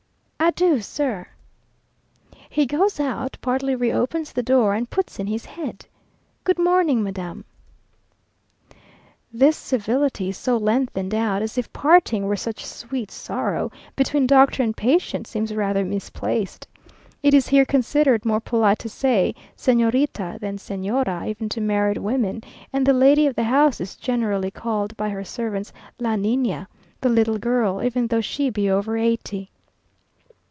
"Adieu, sir." He goes out, partly reopens the door, and puts in his head "Good morning, madam!" This civility so lengthened out, as if parting were such "sweet sorrow," between doctor and patient, seems rather misplaced. It is here considered more polite to say Señorita than Señora, even to married women, and the lady of the house is generally called by her servants, "La Nina," the little girl, even though she be over eighty.